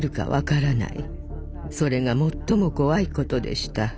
それが最も怖いことでした。